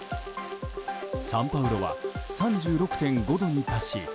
サンパウロは３６．５度に達し